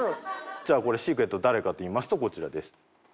じゃあこれシークレット誰かと言いますとこちらです。